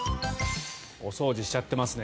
お掃除しちゃってますね。